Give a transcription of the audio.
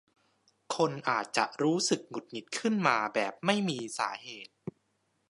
คนอาจจะรู้สึกหงุดหงิดขึ้นมาแบบไม่มีสาเหตุ